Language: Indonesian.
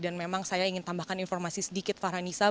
dan memang saya ingin tambahkan informasi sedikit farhanisa